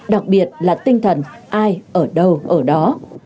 đặc biệt là tinh thần ai ở đâu ở đó